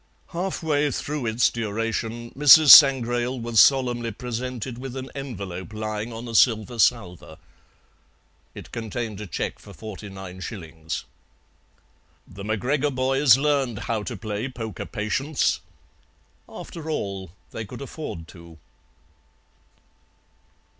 Halfway through its duration Mrs. Sangrail was solemnly presented with an envelope lying on a silver salver. It contained a cheque for forty nine shillings. The MacGregor boys learned how to play poker patience; after all, they could afford to.